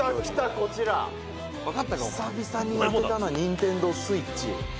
こちら」「久々に当てたなＮｉｎｔｅｎｄｏＳｗｉｔｃｈ」